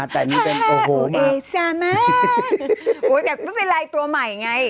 แต่นี่เป็นตัวเอซามานแต่ไม่เป็นไรตัวใหม่ไง